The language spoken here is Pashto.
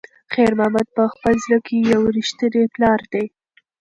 خیر محمد په خپل زړه کې یو رښتینی پلار دی.